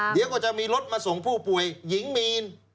เดี๋ยวก็จะมีรถมาส่งผู้ป่วยหญิงมีน